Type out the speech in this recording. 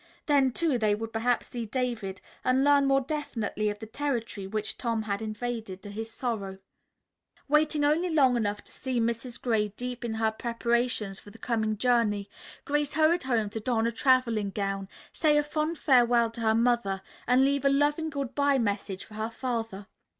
Then, too, they would perhaps see David and learn more definitely of the territory which Tom had invaded to his sorrow. Waiting only long enough to see Mrs. Gray deep in her preparations for the coming journey, Grace hurried home to don a traveling gown, say a fond farewell to her mother and leave a loving good bye message for her father.